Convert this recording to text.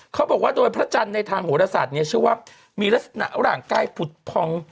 เขาบอกว่าโดยพระจันทร์ในทางโหรศาสตร์เนี่ยเชื่อว่ามีลักษณะร่างกายผุดพอง